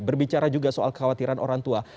berbicara juga soal kekhawatiran orang tua